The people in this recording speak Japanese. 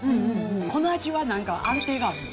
この味はなんか、安定がある。